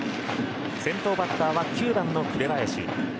先頭バッターは９番の紅林。